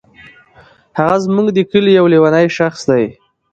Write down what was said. هغه زمونږ دي کلې یو لیونی شخص دی.